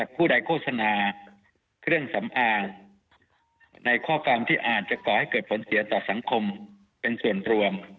ผู้ใดโฆษณาเครื่องสำอางในข้อความที่อาจจะก่อให้เกิดผลเสียต่อสังคมเป็นส่วนรวม